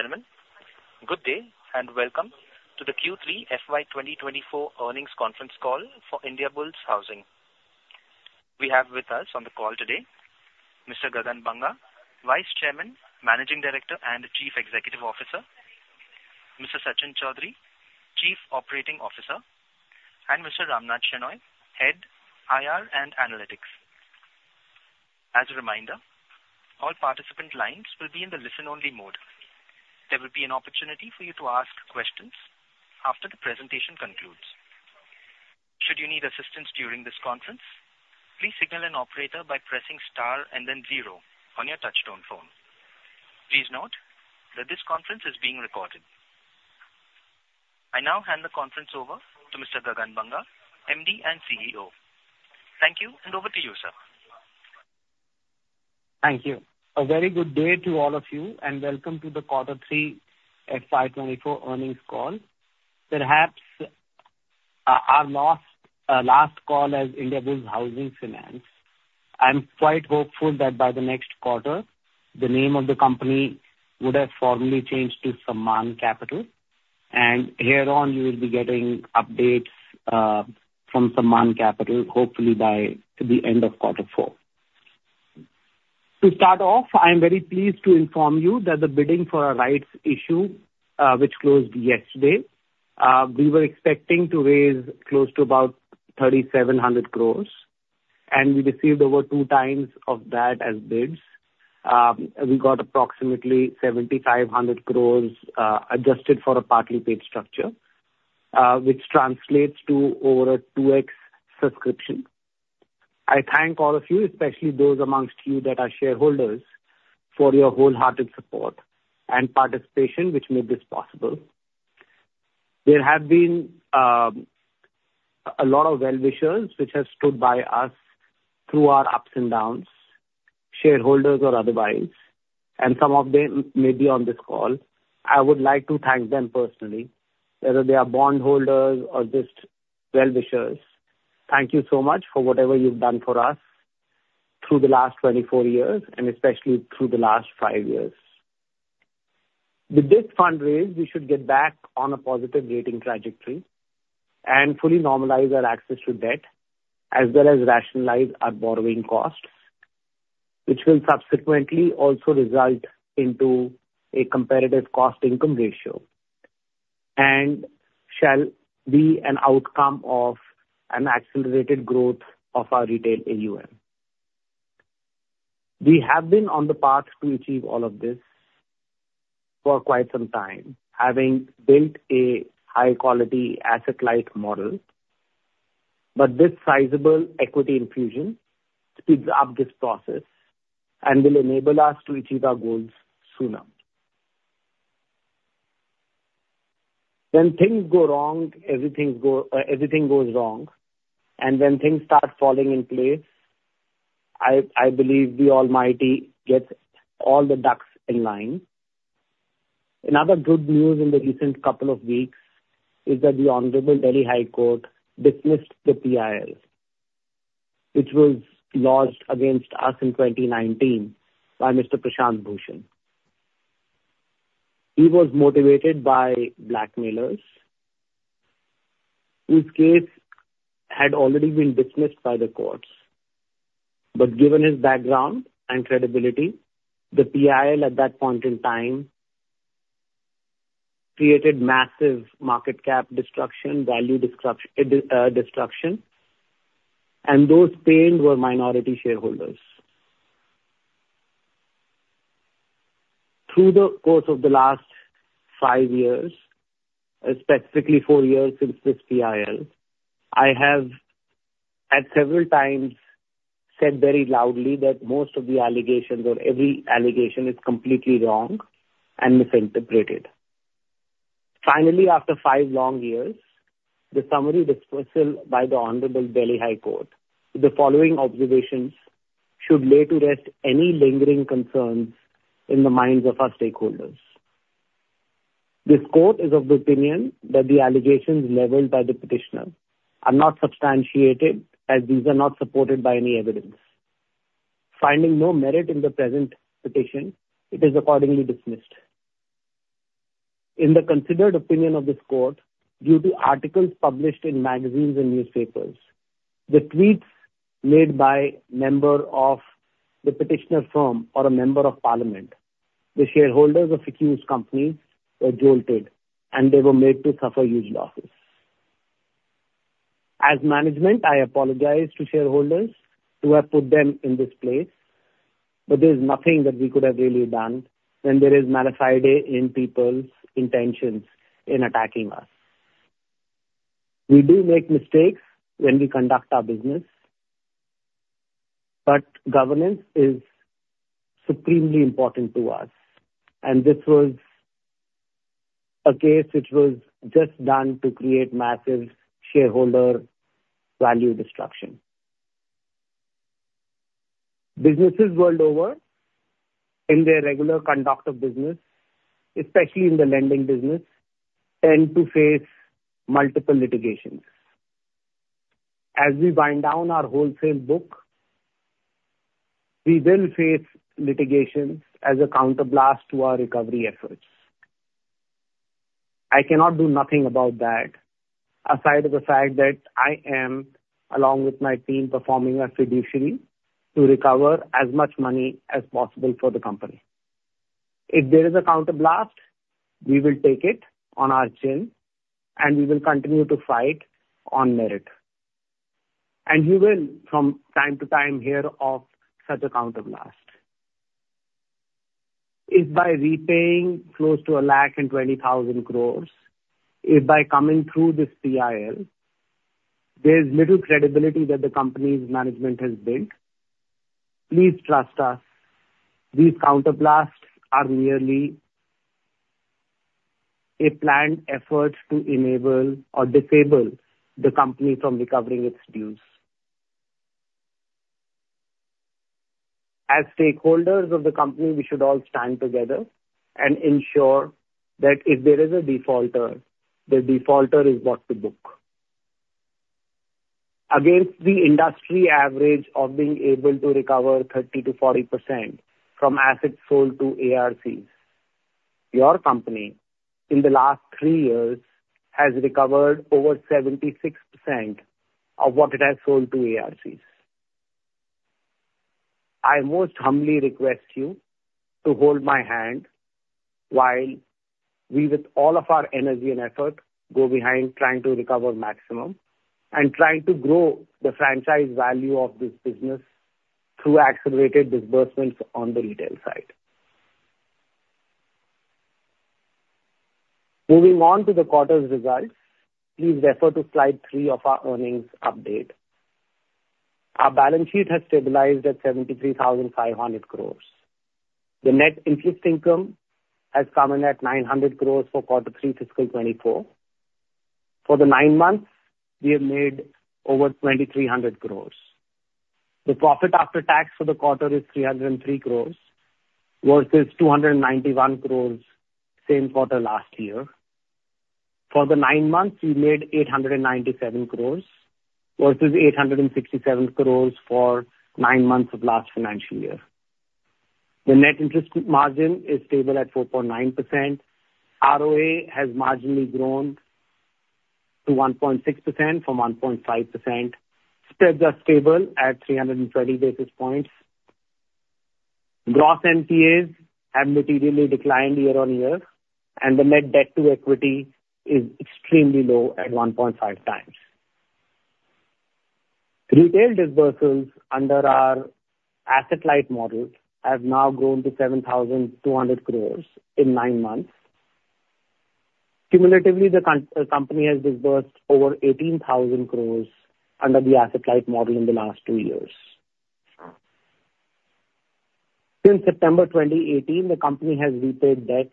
Ladies and gentlemen, good day and welcome to the Q3 FY 2024 earnings conference call for Indiabulls Housing. We have with us on the call today Mr. Gagan Banga, Vice Chairman, Managing Director and Chief Executive Officer, Mr. Sachin Chaudhary, Chief Operating Officer, and Mr. Ramnath Shenoy, Head IR and Analytics. As a reminder, all participant lines will be in the listen-only mode. There will be an opportunity for you to ask questions after the presentation concludes. Should you need assistance during this conference, please signal an operator by pressing star and then zero on your touch-tone phone. Please note that this conference is being recorded. I now hand the conference over to Mr. Gagan Banga, MD and CEO. Thank you, and over to you, sir. Thank you. A very good day to all of you, and welcome to the Q3 FY 24 earnings call. Perhaps our last call as Indiabulls Housing Finance. I'm quite hopeful that by the next quarter, the name of the company would have formally changed to Sammaan Capital, and hereon you will be getting updates from Sammaan Capital, hopefully by the end of Q4. To start off, I'm very pleased to inform you that the bidding for a rights issue, which closed yesterday, we were expecting to raise close to about 3,700 crores, and we received over two times of that as bids. We got approximately 7,500 crores adjusted for a partly paid structure, which translates to over a 2x subscription. I thank all of you, especially those amongst you that are shareholders, for your wholehearted support and participation which made this possible. There have been a lot of well-wishers which have stood by us through our ups and downs, shareholders or otherwise, and some of them may be on this call. I would like to thank them personally. Whether they are bondholders or just well-wishers, thank you so much for whatever you've done for us through the last 24 years, and especially through the last 5 years. With this fundraise, we should get back on a positive rating trajectory and fully normalize our access to debt, as well as rationalize our borrowing costs, which will subsequently also result into a competitive cost-income ratio and shall be an outcome of an accelerated growth of our retail AUM. We have been on the path to achieve all of this for quite some time, having built a high-quality asset-light model, but this sizable equity infusion speeds up this process and will enable us to achieve our goals sooner. When things go wrong, everything goes wrong, and when things start falling in place, I believe the Almighty gets all the ducks in line. Another good news in the recent couple of weeks is that the Honorable Delhi High Court dismissed the PIL, which was lodged against us in 2019 by Mr. Prashant Bhushan. He was motivated by blackmailers, whose case had already been dismissed by the courts. But given his background and credibility, the PIL at that point in time created massive market cap destruction, value destruction, and those pained were minority shareholders. Through the course of the last five years, specifically four years since this PIL, I have at several times said very loudly that most of the allegations, or every allegation, is completely wrong and misinterpreted. Finally, after five long years, the summary dismissal by the Honorable Delhi High Court with the following observations should lay to rest any lingering concerns in the minds of our stakeholders. This court is of the opinion that the allegations leveled by the petitioner are not substantiated, as these are not supported by any evidence. Finding no merit in the present petition, it is accordingly dismissed. In the considered opinion of this court, due to articles published in magazines and newspapers, the tweets made by a member of the petitioner firm or a member of parliament, the shareholders of accused companies were jolted, and they were made to suffer huge losses. As management, I apologize to shareholders who have put them in this place, but there's nothing that we could have really done when there is mala fide in people's intentions in attacking us. We do make mistakes when we conduct our business, but governance is supremely important to us, and this was a case which was just done to create massive shareholder value destruction. Businesses world over, in their regular conduct of business, especially in the lending business, tend to face multiple litigations. As we wind down our wholesale book, we will face litigations as a counterblast to our recovery efforts. I cannot do nothing about that aside from the fact that I am, along with my team, performing a fiduciary to recover as much money as possible for the company. If there is a counterblast, we will take it on our chin, and we will continue to fight on merit. You will, from time to time, hear of such a counterblast. If by repaying close to 1,020,000 crore, if by coming through this PIL, there's little credibility that the company's management has built, please trust us. These counterblasts are merely a planned effort to enable or disable the company from recovering its dues. As stakeholders of the company, we should all stand together and ensure that if there is a defaulter, the defaulter is brought to book. Against the industry average of being able to recover 30%-40% from assets sold to ARCs, your company, in the last three years, has recovered over 76% of what it has sold to ARCs. I most humbly request you to hold my hand while we, with all of our energy and effort, go behind trying to recover maximum and trying to grow the franchise value of this business through accelerated disbursements on the retail side. Moving on to the quarter's results, please refer to slide 3 of our earnings update. Our balance sheet has stabilized at 73,500 crores. The net interest income has come in at 900 crores for Q3 fiscal 2024. For the nine months, we have made over 2,300 crores. The profit after tax for the quarter is 303 crores versus 291 crores same quarter last year. For the nine months, we made 897 crores versus 867 crores for nine months of last financial year. The net interest margin is stable at 4.9%. ROA has marginally grown to 1.6% from 1.5%. Spreads are stable at 320 basis points. Gross NPAs have materially declined year-over-year, and the net debt to equity is extremely low at 1.5 times. Retail disbursals under our asset-light model have now grown to 7,200 crores in nine months. Cumulatively, the company has disbursed over 18,000 crores under the asset-light model in the last two years. Since September 2018, the company has repaid debt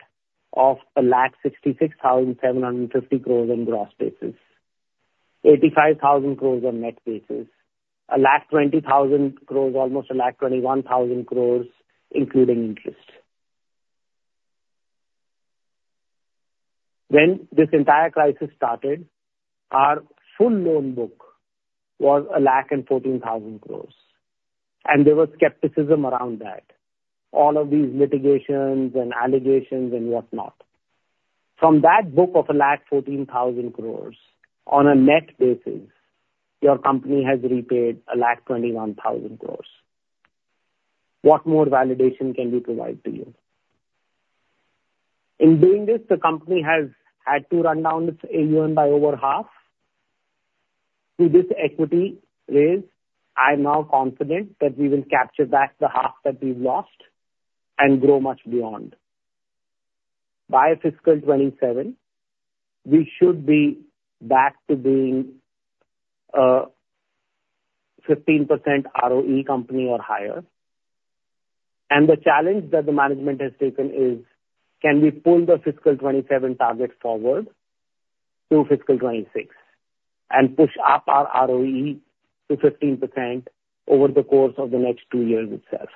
of 1,066,750 crores on gross basis, 85,000 crores on net basis, 1,020,000 crores, almost 1,021,000 crores including interest. When this entire crisis started, our full loan book was 1,014,000 crores, and there was skepticism around that, all of these litigations and allegations and whatnot. From that book of 1,014,000 crores on a net basis, your company has repaid 1,021,000 crores. What more validation can we provide to you? In doing this, the company has had to run down its AUM by over half. With this equity raise, I'm now confident that we will capture back the half that we've lost and grow much beyond. By fiscal 2027, we should be back to being a 15% ROE company or higher. The challenge that the management has taken is, can we pull the fiscal 2027 target forward to fiscal 2026 and push up our ROE to 15% over the course of the next 2 years itself?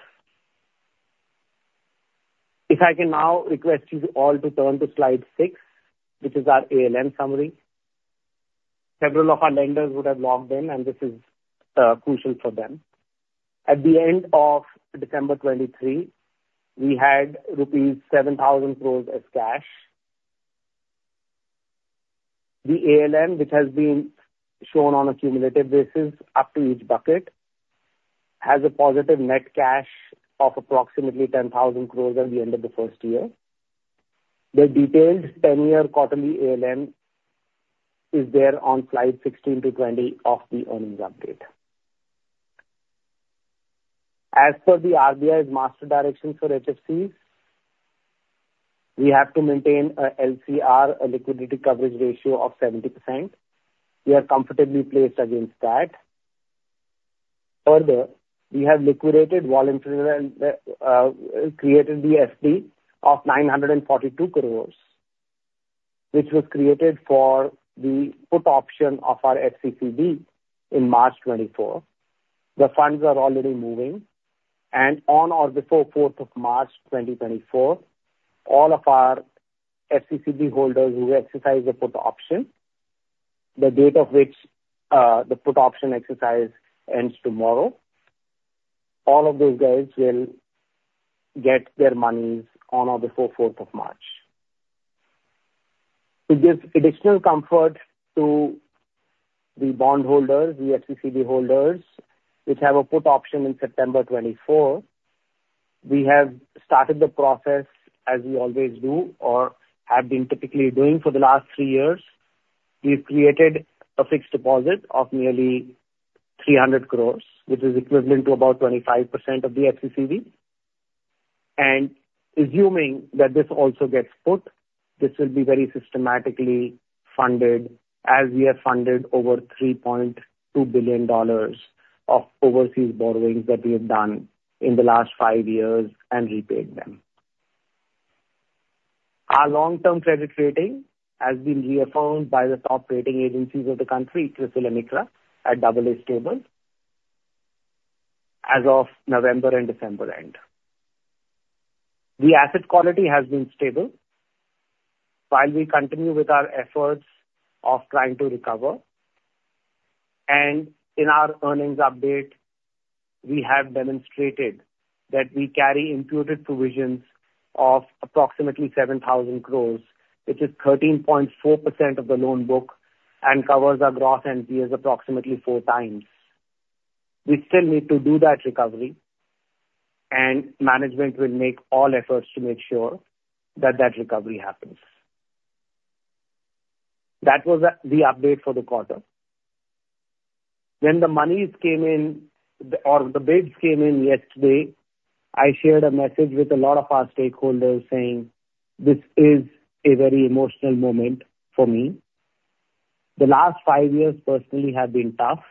If I can now request you all to turn to slide 6, which is our ALM summary. Several of our lenders would have logged in, and this is crucial for them. At the end of December 2023, we had rupees 7,000 crores as cash. The ALM, which has been shown on a cumulative basis up to each bucket, has a positive net cash of approximately 10,000 crores at the end of the first year. The detailed 10-year quarterly ALM is there on slide 16-20 of the earnings update. As per the RBI's master directions for HFCs, we have to maintain a LCR, a liquidity coverage ratio of 70%. We are comfortably placed against that. Further, we have liquidated, voluntarily created the FD of 942 crore, which was created for the put option of our FCCB in March 2024. The funds are already moving. On or before 4th of March 2024, all of our FCCB holders who exercise the put option, the date of which the put option exercise ends tomorrow, all of those guys will get their monies on or before 4th of March. To give additional comfort to the bondholders, the FCCB holders, which have a put option in September 2024, we have started the process as we always do or have been typically doing for the last three years. We've created a fixed deposit of nearly 300 crore, which is equivalent to about 25% of the FCCB. Assuming that this also gets put, this will be very systematically funded as we have funded over $3.2 billion of overseas borrowings that we have done in the last five years and repaid them. Our long-term credit rating has been reaffirmed by the top rating agencies of the country, CRISIL and ICRA, at AA stable as of November and December end. The asset quality has been stable while we continue with our efforts of trying to recover. In our earnings update, we have demonstrated that we carry imputed provisions of approximately 7,000 crore, which is 13.4% of the loan book and covers our gross NPAs approximately four times. We still need to do that recovery, and management will make all efforts to make sure that that recovery happens. That was the update for the quarter. When the monies came in or the bids came in yesterday, I shared a message with a lot of our stakeholders saying, "This is a very emotional moment for me. The last five years personally have been tough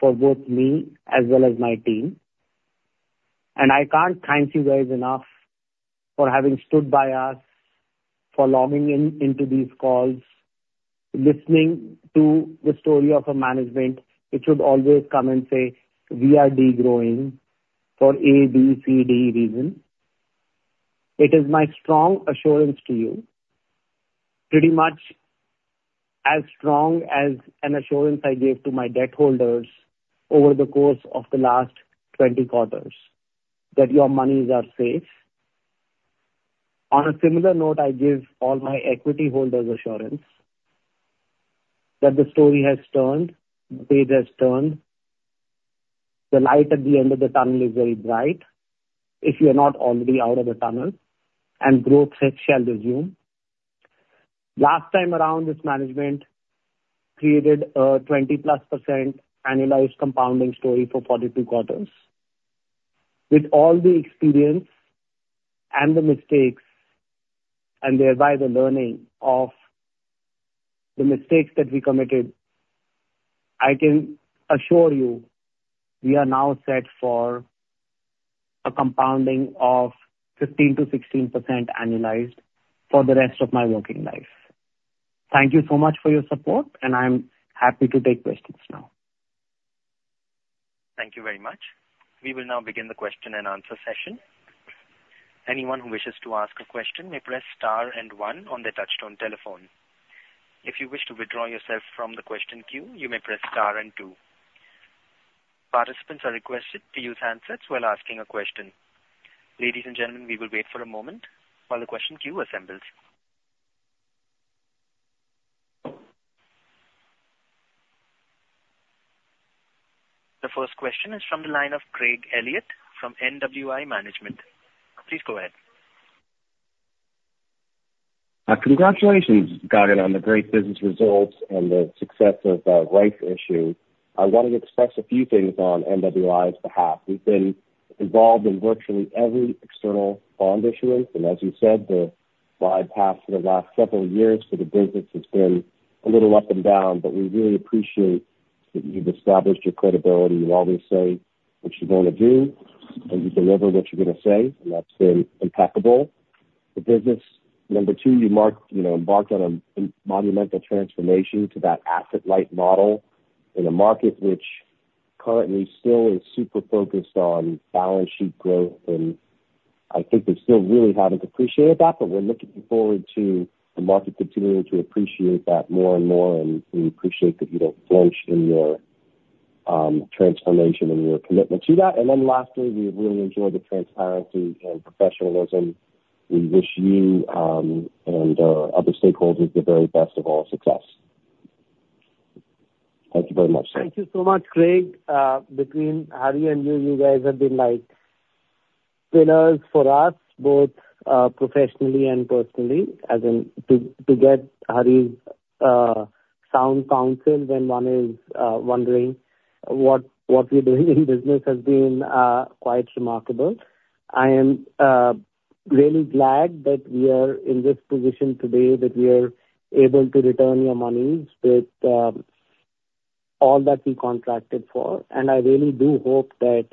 for both me as well as my team. I can't thank you guys enough for having stood by us, for logging into these calls, listening to the story of our management, which would always come and say, 'We are degrowing for A, B, C, D reasons.' It is my strong assurance to you, pretty much as strong as an assurance I gave to my debt holders over the course of the last 20 quarters, that your monies are safe. On a similar note, I give all my equity holders assurance that the story has turned, the paid has turned. The light at the end of the tunnel is very bright if you're not already out of the tunnel, and growth shall resume. Last time around, this management created a 20%+ annualized compounding story for 42 quarters. With all the experience and the mistakes and thereby the learning of the mistakes that we committed, I can assure you we are now set for a compounding of 15%-16% annualized for the rest of my working life. Thank you so much for your support, and I'm happy to take questions now. Thank you very much. We will now begin the question and answer session. Anyone who wishes to ask a question may press star and one on their touch-tone telephone. If you wish to withdraw yourself from the question queue, you may press star and two. Participants are requested to use handsets while asking a question. Ladies and gentlemen, we will wait for a moment while the question queue assembles. The first question is from the line of Craig Elliott from NWI Management. Please go ahead. Congratulations, Gagan, on the great business results and the success of the rights issue. I want to express a few things on NWI's behalf. We've been involved in virtually every external bond issuance. As you said, the life path for the last several years for the business has been a little up and down, but we really appreciate that you've established your credibility. You always say what you're going to do, and you deliver what you're going to say, and that's been impeccable. The business, number two, you embarked on a monumental transformation to that asset-light model in a market which currently still is super focused on balance sheet growth. I think we still really haven't appreciated that, but we're looking forward to the market continuing to appreciate that more and more. We appreciate that you don't flinch in your transformation and your commitment to that. Then lastly, we have really enjoyed the transparency and professionalism. We wish you and other stakeholders the very best of all success. Thank you very much, sir. Thank you so much, Craig. Between Harry and you, you guys have been pillars for us both professionally and personally. To get Harry's sound counsel when one is wondering what we're doing in business has been quite remarkable. I am really glad that we are in this position today, that we are able to return your monies with all that we contracted for. And I really do hope that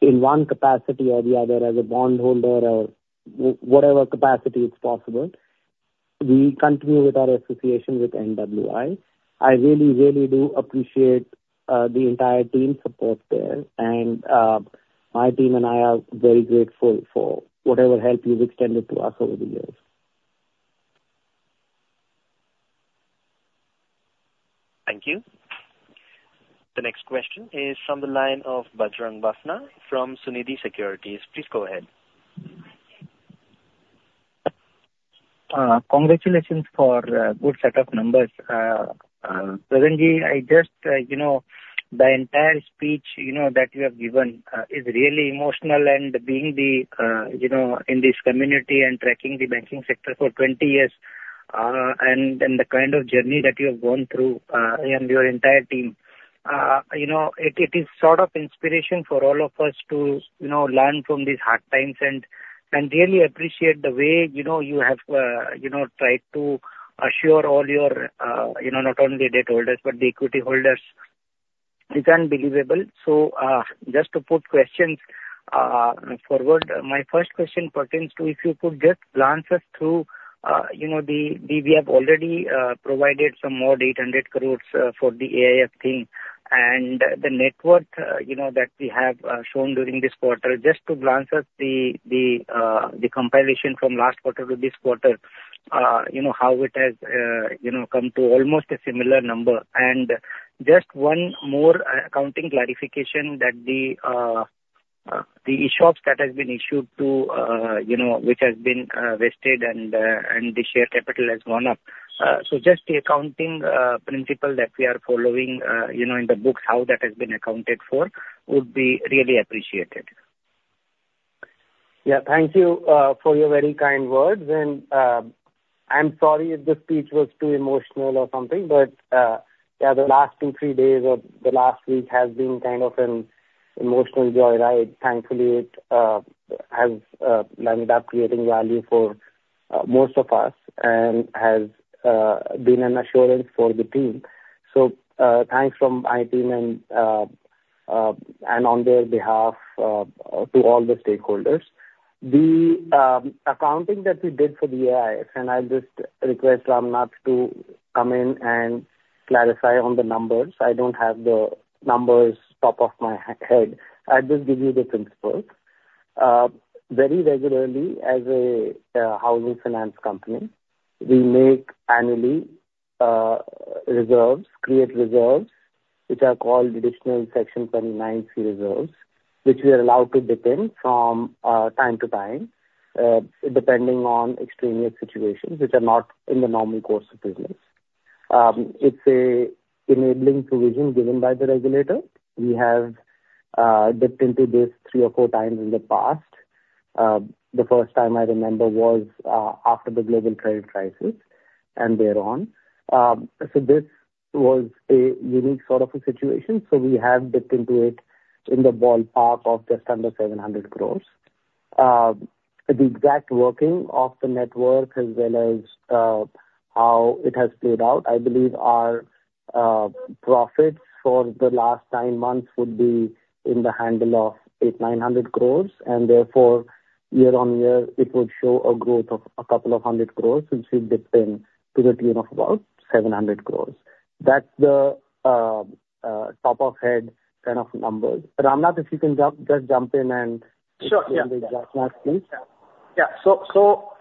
in one capacity or the other, as a bondholder or whatever capacity it's possible, we continue with our association with NWI. I really, really do appreciate the entire team support there. And my team and I are very grateful for whatever help you've extended to us over the years. Thank you. The next question is from the line of Bajrang Bafna from Sunidhi Securities. Please go ahead. Congratulations for a good set of numbers. Gaganji, I just the entire speech that you have given is really emotional. Being in this community and tracking the banking sector for 20 years and the kind of journey that you have gone through and your entire team, it is sort of inspiration for all of us to learn from these hard times and really appreciate the way you have tried to assure all your not only debt holders but the equity holders. It's unbelievable. So just to put questions forward, my first question pertains to if you could just glance us through the we have already provided some more than 800 crore for the AIF thing and the net worth that we have shown during this quarter. Just to glance at the compilation from last quarter to this quarter, how it has come to almost a similar number. Just one more accounting clarification that the ESOP status has been issued to which has been vested and the share capital has gone up. So just the accounting principle that we are following in the books, how that has been accounted for, would be really appreciated. Yeah. Thank you for your very kind words. I'm sorry if the speech was too emotional or something, but yeah, the last 2-3 days of the last week has been kind of an emotional joy, right? Thankfully, it has landed up creating value for most of us and has been an assurance for the team. So thanks from my team and on their behalf to all the stakeholders. The accounting that we did for the AIF, and I'll just request Ramnath to come in and clarify on the numbers. I don't have the numbers top of my head. I'll just give you the principles. Very regularly, as a housing finance company, we make annually reserves, create reserves, which are called additional Section 29C Reserves, which we are allowed to depend from time to time depending on extraneous situations which are not in the normal course of business. It's an enabling provision given by the regulator. We have dipped into this 3 or 4 times in the past. The first time I remember was after the global credit crisis and thereon. So this was a unique sort of a situation. So we have dipped into it in the ballpark of just under 700 crore. The exact working of the net worth as well as how it has played out, I believe our profits for the last 9 months would be in the handle of 800 crore-900 crore. And therefore, year-on-year, it would show a growth of a couple of hundred crore since we've dipped in to the tune of about 700 crore. That's the top-of-head kind of numbers. Ramnath, if you can just jump in and give me the exact math, please. Yeah. Yeah. So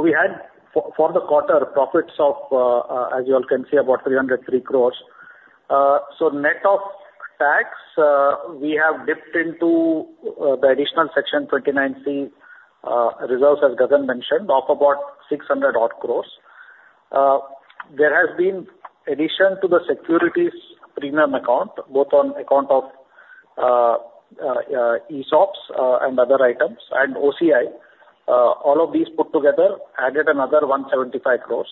we had for the quarter profits of, as you all can see, about 303 crore. So net of tax, we have dipped into the additional Section 29C Reserves, as Gagan mentioned, of about 600 odd crore. There has been addition to the securities premium account, both on account of ESOPs and other items and OCI. All of these put together added another 175 crore.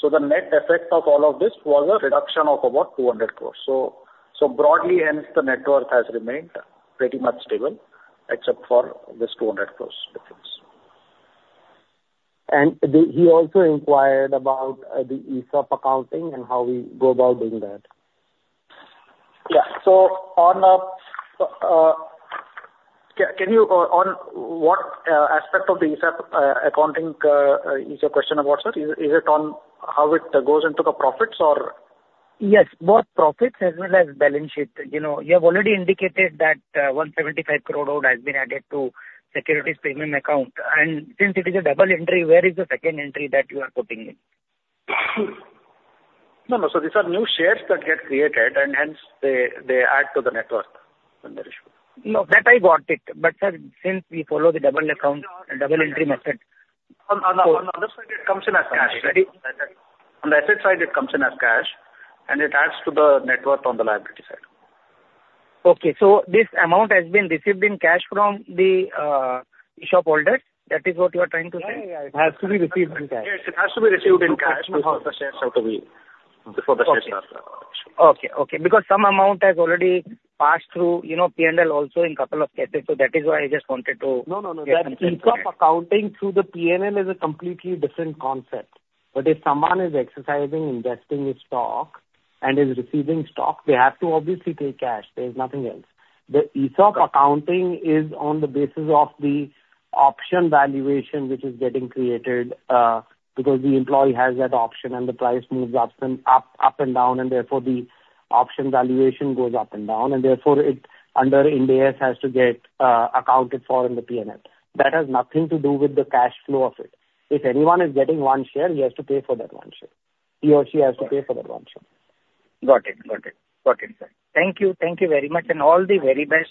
So the net effect of all of this was a reduction of about 200 crore. So broadly, hence, the net worth has remained pretty much stable except for this 200-crore difference. He also inquired about the ESOP accounting and how we go about doing that. Yeah. So can you on what aspect of the ESOP accounting is your question about, sir? Is it on how it goes into the profits or? Yes. Both profits as well as balance sheet. You have already indicated that 175 crore odd has been added to securities premium account. And since it is a double entry, where is the second entry that you are putting in? No, no. So these are new shares that get created, and hence, they add to the net worth when they're issued. No, that I got it. But sir, since we follow the double entry method. On the other side, it comes in as cash. On the asset side, it comes in as cash, and it adds to the net worth on the liability side. Okay. So this amount has been received in cash from the ESOP holders? That is what you are trying to say? Yeah, yeah. It has to be received in cash. Yes. It has to be received in cash before the shares are issued. Okay. Okay. Because some amount has already passed through P&L also in a couple of cases. So that is why I just wanted to. No, no, no. That's not true. ESOP accounting through the P&L is a completely different concept. But if someone is exercising, investing in stock, and is receiving stock, they have to obviously take cash. There's nothing else. The ESOP accounting is on the basis of the option valuation which is getting created because the employee has that option, and the price moves up and down, and therefore, the option valuation goes up and down. And therefore, it under Ind AS has to get accounted for in the P&L. That has nothing to do with the cash flow of it. If anyone is getting one share, he has to pay for that one share. He or she has to pay for that one share. Got it. Got it. Got it, sir. Thank you. Thank you very much. All the very best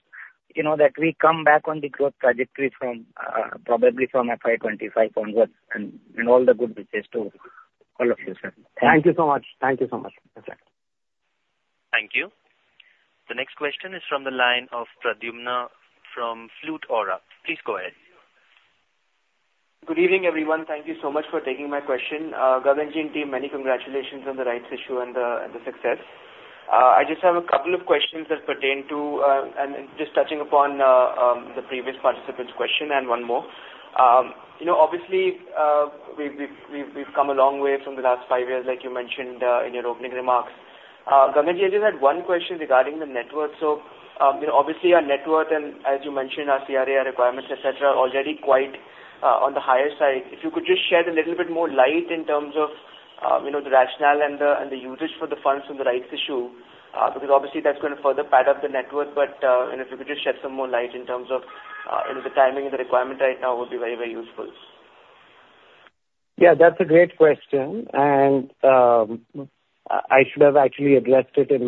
that we come back on the growth trajectory probably from FY25 onwards and all the good wishes to all of you, sir. Thank you. Thank you so much. Thank you so much. Thank you. The next question is from the line of Pradyumna from Awriga CapitalPlease go ahead. Good evening, everyone. Thank you so much for taking my question. Gagan and team, many congratulations on the rights issue and the success. I just have a couple of questions that pertain to and just touching upon the previous participant's question and one more. Obviously, we've come a long way from the last five years, like you mentioned in your opening remarks. Gagan just had one question regarding the net worth. So obviously, our net worth and, as you mentioned, our CRA, our requirements, etc., are already quite on the higher side. If you could just shed a little bit more light in terms of the rationale and the usage for the funds from the rights issue because obviously, that's going to further pad up the net worth. If you could just shed some more light in terms of the timing and the requirement, right now would be very, very useful. Yeah. That's a great question. I should have actually addressed it in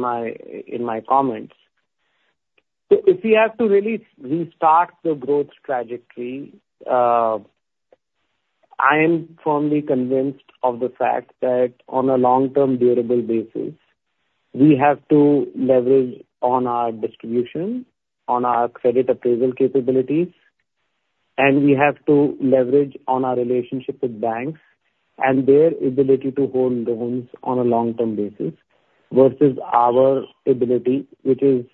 my comments. If we have to really restart the growth trajectory, I am firmly convinced of the fact that on a long-term, durable basis, we have to leverage on our distribution, on our credit appraisal capabilities, and we have to leverage on our relationship with banks and their ability to hold loans on a long-term basis versus our ability, which is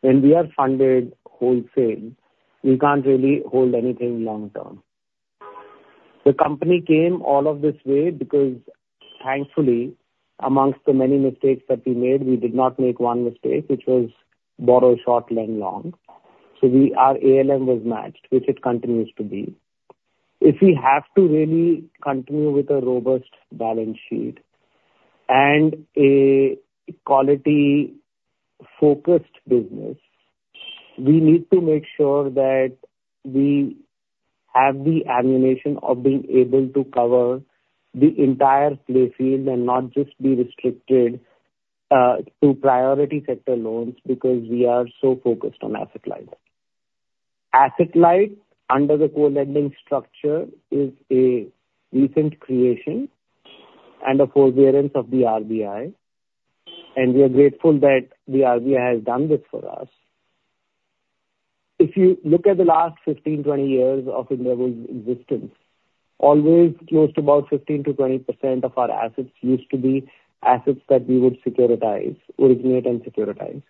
when we are funded wholesale, we can't really hold anything long-term. The company came all of this way because, thankfully, among the many mistakes that we made, we did not make one mistake, which was borrow short, lend long. Our ALM was matched, which it continues to be. If we have to really continue with a robust balance sheet and a quality-focused business, we need to make sure that we have the ammunition of being able to cover the entire playfield and not just be restricted to priority sector loans because we are so focused on asset-light. Asset-light under the co-lending structure is a recent creation and a forbearance of the RBI. And we are grateful that the RBI has done this for us. If you look at the last 15, 20 years of Indiabulls' existence, always close to about 15%-20% of our assets used to be assets that we would securitize, originate, and securitize.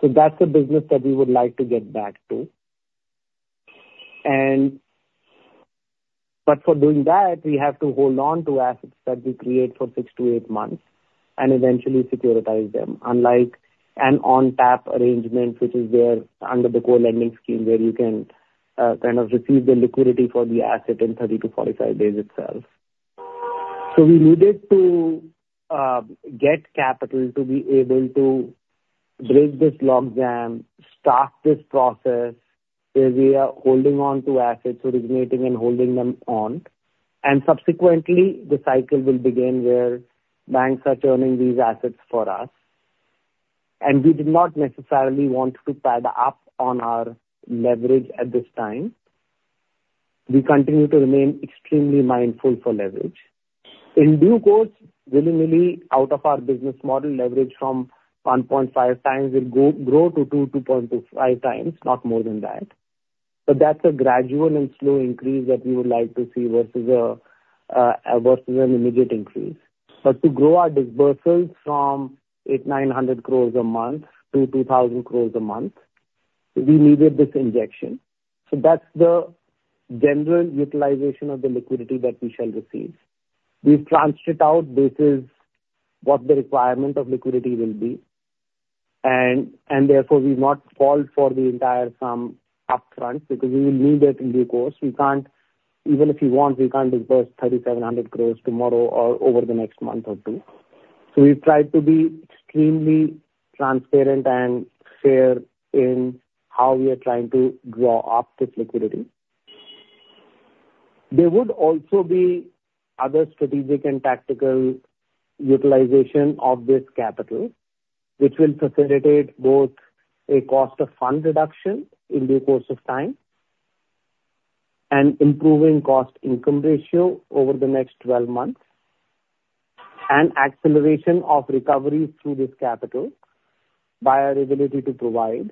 So that's a business that we would like to get back to. But for doing that, we have to hold on to assets that we create for 6-8 months and eventually securitize them unlike an on-tap arrangement, which is under the co-lending scheme where you can kind of receive the liquidity for the asset in 30-45 days itself. So we needed to get capital to be able to break this logjam, start this process where we are holding on to assets, originating, and holding them on. And subsequently, the cycle will begin where banks are turning these assets for us. And we did not necessarily want to pad up on our leverage at this time. We continue to remain extremely mindful for leverage. In due course, willy-nilly, out of our business model, leverage from 1.5 times will grow to 2-2.5 times, not more than that. But that's a gradual and slow increase that we would like to see versus an immediate increase. To grow our disbursals from 800-900 crore a month to 2,000 crore a month, we needed this injection. That's the general utilization of the liquidity that we shall receive. We've transferred it out. This is what the requirement of liquidity will be. Therefore, we've not called for the entire sum upfront because we will need it in due course. Even if we want, we can't disburse 3,700 crore tomorrow or over the next month or two. We've tried to be extremely transparent and fair in how we are trying to draw up this liquidity. There would also be other strategic and tactical utilization of this capital, which will facilitate both a cost of fund reduction in due course of time and improving cost-income ratio over the next 12 months and acceleration of recovery through this capital by our ability to provide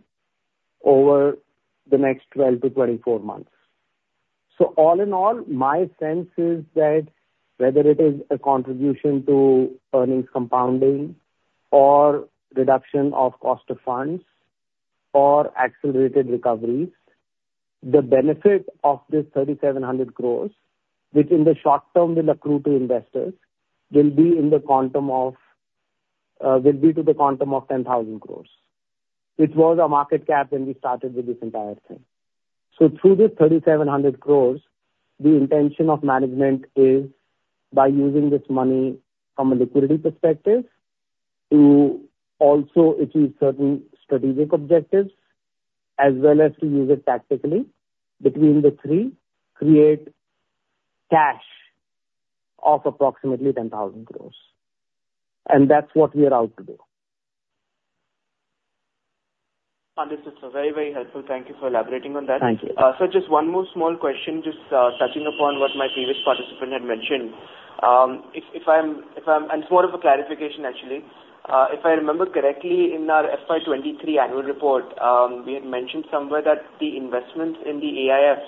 over the next 12-24 months. So all in all, my sense is that whether it is a contribution to earnings compounding or reduction of cost of funds or accelerated recoveries, the benefit of this 3,700 crores, which in the short term will accrue to investors, will be in the quantum of will be to the quantum of 10,000 crores. It was a market cap when we started with this entire thing. Through this 3,700 crore, the intention of management is by using this money from a liquidity perspective to also achieve certain strategic objectives as well as to use it tactically between the three, create cash of approximately 10,000 crore. That's what we are out to do. This is very, very helpful. Thank you for elaborating on that. Thank you. Just one more small question, just touching upon what my previous participant had mentioned. If I'm and it's more of a clarification, actually. If I remember correctly, in our FY23 annual report, we had mentioned somewhere that the investments in the AIF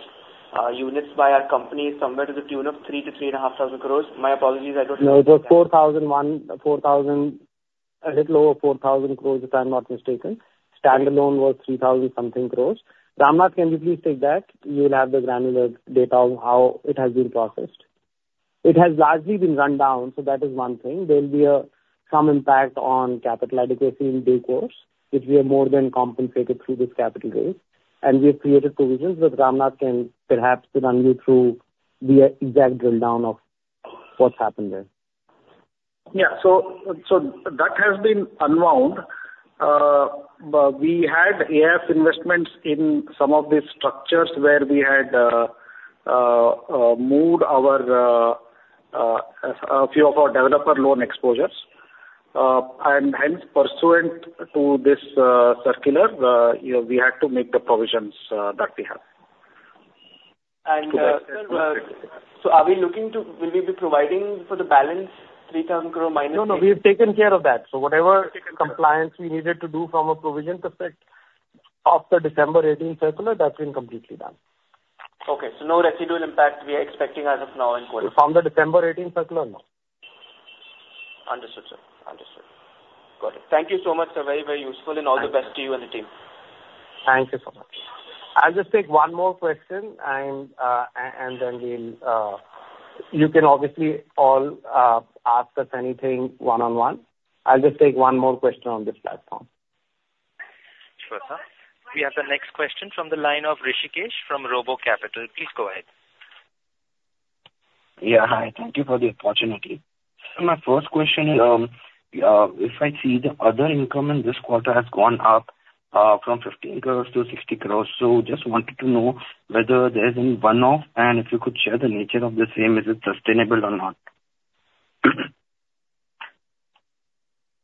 units by our company somewhere to the tune of 3,000 crore-3,500 crore. My apologies. I don't remember. No, it was 4,001, a little lower, 4,000 crores, if I'm not mistaken. Standalone was 3,000-something crores. Ramnath, can you please take that? You will have the granular data of how it has been processed. It has largely been run down. So that is one thing. There'll be some impact on capital adequacy in due course if we are more than compensated through this capital raise. And we have created provisions that Ramnath can perhaps run you through the exact drill-down of what's happened there. Yeah. So that has been unwound. We had AIF investments in some of these structures where we had moved a few of our developer loan exposures. And hence, pursuant to this circular, we had to make the provisions that we have. Sir, so are we looking to will we be providing for the balance 3,000 crore minus 800? No, no. We have taken care of that. So whatever compliance we needed to do from a provision perspective after December 18 circular, that's been completely done. Okay. No residual impact we are expecting as of now in quarter? From the December 18 circular, no. Understood, sir. Understood. Got it. Thank you so much. Very, very useful. All the best to you and the team. Thank you so much. I'll just take one more question, and then you can obviously all ask us anything one-on-one. I'll just take one more question on this platform. Sure, sir. We have the next question from the line of Rishikesh from Robo Capital. Please go ahead. Yeah. Hi. Thank you for the opportunity. My first question is, if I see the other income in this quarter has gone up from 15 crores to 60 crores, so just wanted to know whether there's any one-off and if you could share the nature of the same. Is it sustainable or not?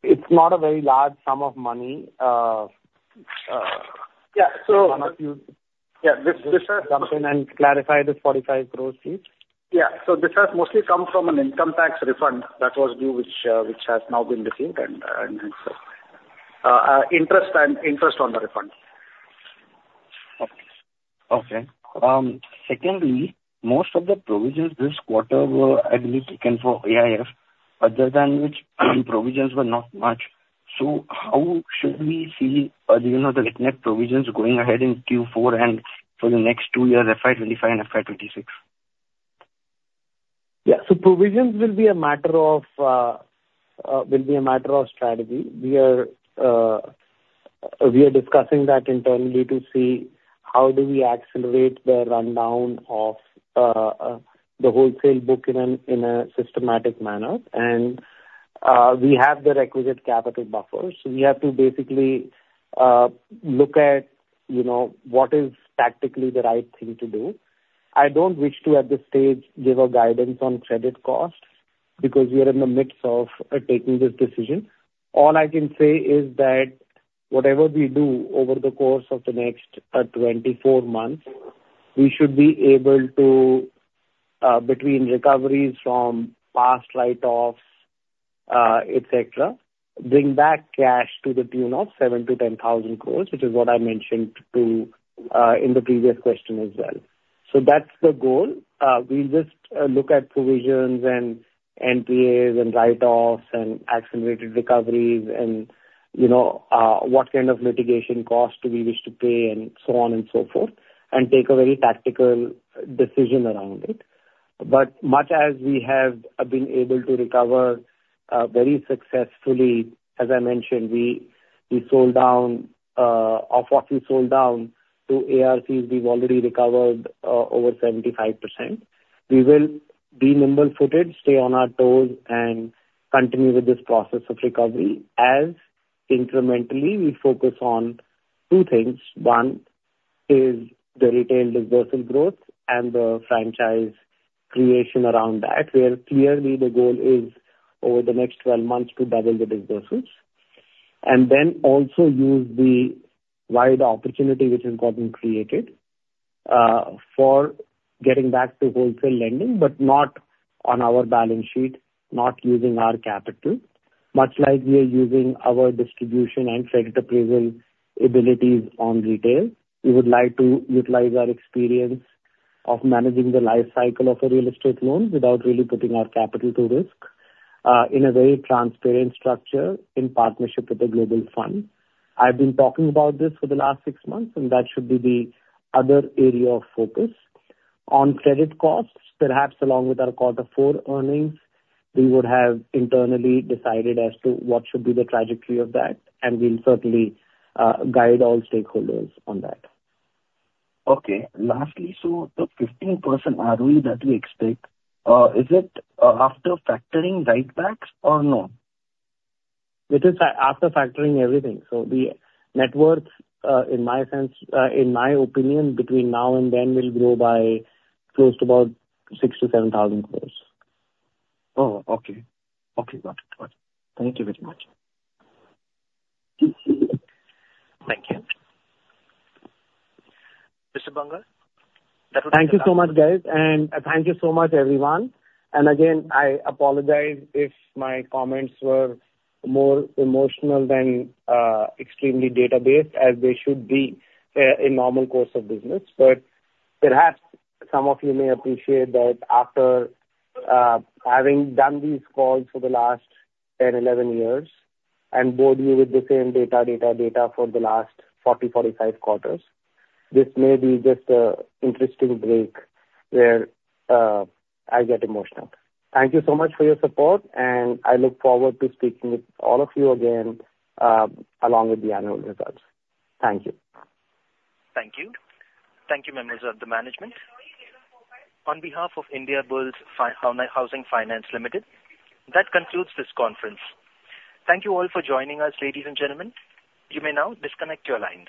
It's not a very large sum of money. One of you. Yeah. This has. Jump in and clarify this 45 crore, please. Yeah. So this has mostly come from an income tax refund that was due, which has now been received and hence interest on the refund. Okay. Secondly, most of the provisions this quarter were, I believe, taken for AIF, other than which provisions were not much. So how should we see the ECL/NECL provisions going ahead in Q4 and for the next two years, FY25 and FY26? Yeah. So provisions will be a matter of strategy. We are discussing that internally to see how do we accelerate the rundown of the wholesale book in a systematic manner. And we have the requisite capital buffer. So we have to basically look at what is tactically the right thing to do. I don't wish to, at this stage, give a guidance on credit costs because we are in the midst of taking this decision. All I can say is that whatever we do over the course of the next 24 months, we should be able to, between recoveries from past write-offs, etc., bring back cash to the tune of 7,000 crore-10,000 crore, which is what I mentioned in the previous question as well. So that's the goal. We'll just look at provisions and NPAs and write-offs and accelerated recoveries and what kind of mitigation costs do we wish to pay and so on and so forth and take a very tactical decision around it. But much as we have been able to recover very successfully, as I mentioned, we sold down of what we sold down to ARCs, we've already recovered over 75%. We will be nimble-footed, stay on our toes, and continue with this process of recovery as incrementally we focus on two things. One is the retail disbursal growth and the franchise creation around that, where clearly the goal is, over the next 12 months, to double the disbursals and then also use the wide opportunity which has gotten created for getting back to wholesale lending but not on our balance sheet, not using our capital, much like we are using our distribution and credit appraisal abilities on retail. We would like to utilize our experience of managing the life cycle of a real estate loan without really putting our capital to risk in a very transparent structure in partnership with a global fund. I've been talking about this for the last 6 months, and that should be the other area of focus. On credit costs, perhaps along with our quarter four earnings, we would have internally decided as to what should be the trajectory of that. We'll certainly guide all stakeholders on that. Okay. Lastly, so the 15% ROE that we expect, is it after factoring writebacks or no? It is after factoring everything. So the net worth, in my opinion, between now and then, will grow by close to about 6,000 crore-7,000 crore. Oh, okay. Okay. Got it. Got it. Thank you very much. Thank you. Mr. Banga, that would be my question? Thank you so much, guys. And thank you so much, everyone. And again, I apologize if my comments were more emotional than extremely databased, as they should be in normal course of business. But perhaps some of you may appreciate that after having done these calls for the last 10, 11 years and bored you with the same data, data, data for the last 40, 45 quarters, this may be just an interesting break where I get emotional. Thank you so much for your support, and I look forward to speaking with all of you again along with the annual results. Thank you. Thank you. Thank you, members of the management. On behalf of Indiabulls Housing Finance Limited, that concludes this conference. Thank you all for joining us, ladies and gentlemen. You may now disconnect your lines.